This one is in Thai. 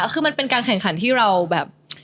คือมันเป็นการแข่งขันที่เราแบบ